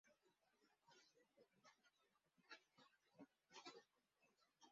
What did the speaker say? অধ্যয়নরত অবস্থায় স্বদেশী স্বেচ্ছাসেবক দলে যোগদান করেন।